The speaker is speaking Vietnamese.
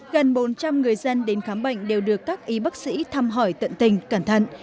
gần bốn trăm linh người dân đến khám bệnh đều được các y bác sĩ thăm hỏi tận tình cẩn thận